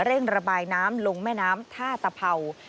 เร่งระบายน้ำลงแม่น้ำท่าตะเผา